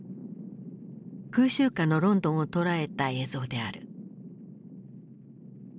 空襲下のロンドンを捉えた映像である。